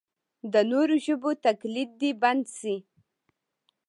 د نورو ژبو تقلید دې بند شي.